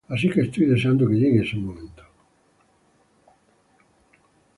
Así que estoy deseando que llegue ese momento.